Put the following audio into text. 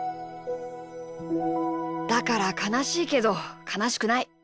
だからかなしいけどかなしくない。